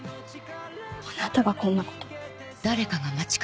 あなたがこんなこと。